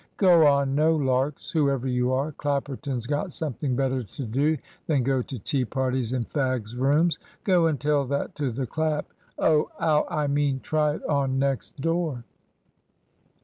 "Go on! no larks, whoever you are. Clapperton's got something better to do than go to tea parties in fags' rooms. Go and tell that to the Clap Oh! ow! I mean, try it on next door!"